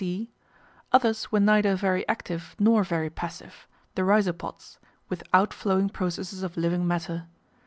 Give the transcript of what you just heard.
(c) Others were neither very active nor very passive, the Rhizopods, with out flowing processes of living matter.